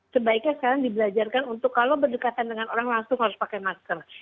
sebaiknya sekarang dibelajarkan untuk kalau berdekatan dengan orang langsung harus pakai masker